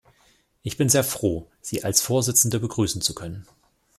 Ich bin sehr froh, Sie als Vorsitzende begrüßen zu können.